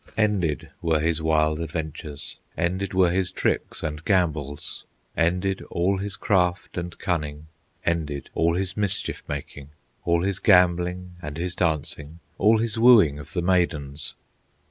Ended were his wild adventures, Ended were his tricks and gambols, Ended all his craft and cunning, Ended all his mischief making, All his gambling and his dancing, All his wooing of the maidens.